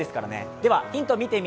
ではヒント